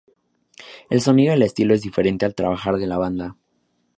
El sonido y estilo es diferente al trabajo de la banda.